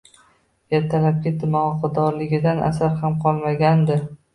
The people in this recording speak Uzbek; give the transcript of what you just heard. Ertalabki dimog`dorligidan asar ham qolmagandi